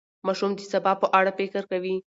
ماشوم د سبا په اړه فکر کوي.